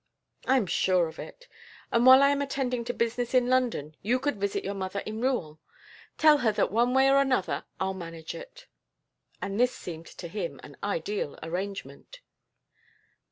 "I am sure of it. And while I am attending to business in London you could visit your mother in Rouen. Tell her that one way or another I'll manage it." And this seemed to him an ideal arrangement!